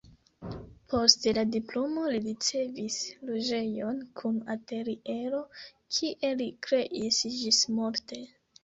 Post la diplomo li ricevis loĝejon kun ateliero, kie li kreis ĝismorte.